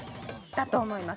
◆だと思います。